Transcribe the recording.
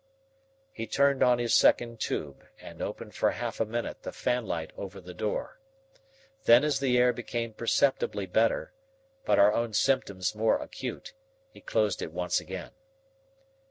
He turned on his second tube and opened for half a minute the fanlight over the door. Then as the air became perceptibly better, but our own symptoms more acute, he closed it once again.